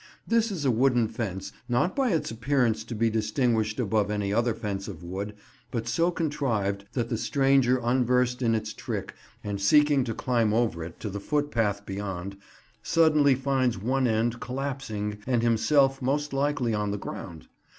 This is a wooden fence not by its appearance to be distinguished above any other fence of wood, but so contrived that the stranger unversed in its trick, and seeking to climb over it to the footpath beyond, suddenly finds one end collapsing and himself most likely on the ground.